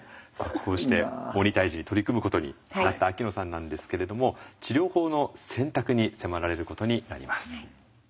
こうして鬼退治に取り組むことになった秋野さんなんですけれども治療法の選択に迫られることになります。